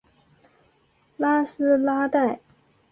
拉斯拉代。